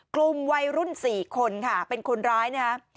กลุ่มวัยรุ่น๔คนค่ะเป็นคนร้ายนะฮะ